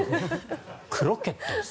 クロケットです。